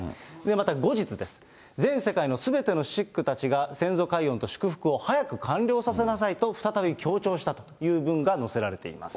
また後日です、全世界のすべてのシックたちが先祖解怨と祝福を早く完了させなさいと、再び強調したという文が載せられています。